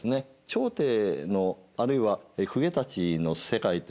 朝廷のあるいは公家たちの世界ってのはですね